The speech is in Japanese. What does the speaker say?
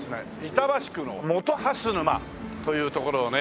板橋区の本蓮沼という所をね